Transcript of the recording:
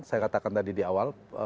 saya katakan tadi di awal